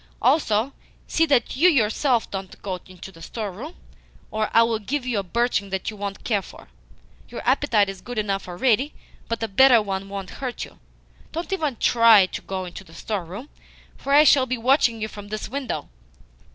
Also, see that you yourself don't go into the storeroom, or I will give you a birching that you won't care for. Your appetite is good enough already, but a better one won't hurt you. Don't even TRY to go into the storeroom, for I shall be watching you from this window."